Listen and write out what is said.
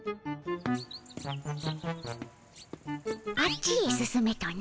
あっちへ進めとな？